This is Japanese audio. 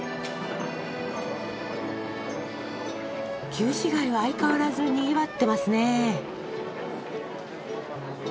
旧市街は相変わらずにぎわってますね。